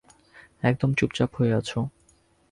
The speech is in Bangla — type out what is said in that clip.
একদম চুপচাপ হয়ে আছ।